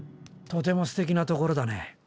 とてもすてきなところだね。